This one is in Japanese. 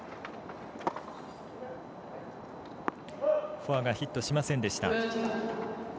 フォアがヒットしませんでした。